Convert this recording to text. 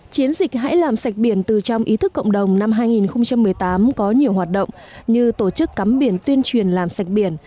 chiến dịch hãy làm sạch biển từ trong ý thức cộng đồng năm hai nghìn một mươi tám có nhiều hoạt động như tổ chức cắm biển tuyên truyền làm sạch biển